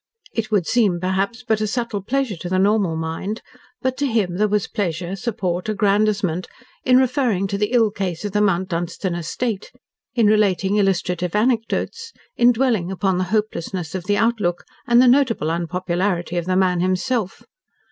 It would seem, perhaps, but a subtle pleasure to the normal mind, but to him there was pleasure support aggrandisement in referring to the ill case of the Mount Dunstan estate, in relating illustrative anecdotes, in dwelling upon the hopelessness of the outlook, and the notable unpopularity of the man himself.